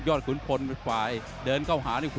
ยอดขุมพลไปเดินเข้าหา